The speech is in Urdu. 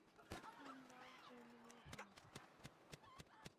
ہم نہ جرمنی ہیں۔